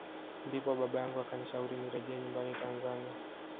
Ndipo baba yangu akanishauri nirejee nyumbani Tanzania